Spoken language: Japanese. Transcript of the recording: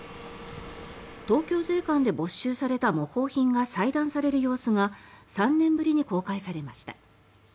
東京税関で没収された模倣品が裁断される様子が３年ぶりに公開されました。